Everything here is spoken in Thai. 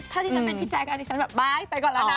ถ้าที่ฉันเป็นพี่แจกไหว้ไปก่อนแล้วนะ